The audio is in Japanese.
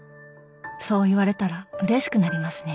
そう言われたらうれしくなりますね。